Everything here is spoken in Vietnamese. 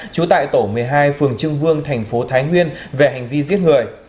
trú tại tổ một mươi hai phường trương vương thành phố thái nguyên về hành vi giết người